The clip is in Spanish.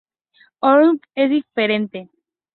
Oliphant es diferente.